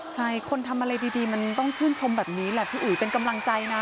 ใช่คนทำอะไรดีมันต้องชื่นชมแบบนี้แหละพี่อุ๋ยเป็นกำลังใจนะ